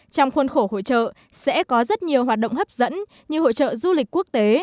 trong khuôn khổ hội trợ sẽ có rất nhiều hoạt động hấp dẫn như hội trợ du lịch quốc tế